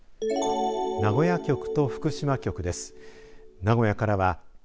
名古屋局と福島局です。